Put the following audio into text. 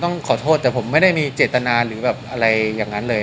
ต้องขอโทษแต่ผมไม่ได้มีเจตนาหรือแบบอะไรอย่างนั้นเลย